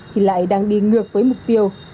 thì lại đang đi ngược với mục tiêu